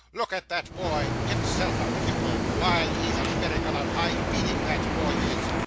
Look at that boy himself a pupil. Why he's a miracle of high feeding, that boy is!